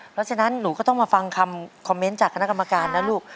เพราะฉะนั้นหนูก็ต้องมาฟังคำคอมเมนต์จากคณะกรรมการนะลูก